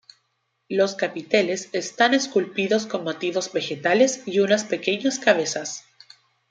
Los capiteles están esculpidos con motivos vegetales y unas pequeñas cabezas.